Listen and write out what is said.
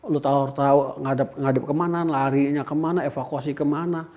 lu tau tau ngadep kemana larinya kemana evakuasi kemana